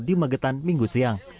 di magetan minggu siang